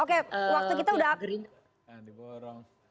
oke waktu kita udah diborong